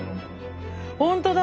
本当だ！